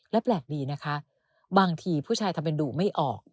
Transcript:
และแปลกดีนะคะบางทีผู้ชายทำเป็นดูไม่ออก